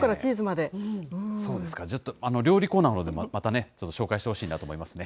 そうですか、料理コーナーのほうでもまたちょっと紹介してほしいなと思いますね。